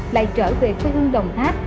lại trở về phương đồng tháp